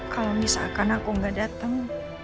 kalau misalkan aku nggak datang